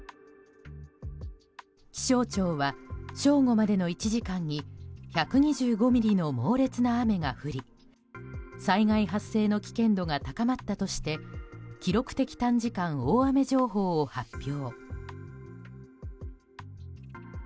気象庁は正午までの１時間に１２５ミリの猛烈な雨が降り災害発生の危険度が高まったとして記録的短時間大雨情報を発表。